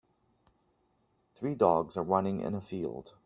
Three dogs are running in a field.